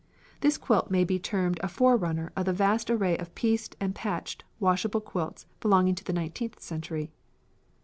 This quilt may be termed a forerunner of the vast array of pieced and patched washable quilts belonging to the nineteenth century.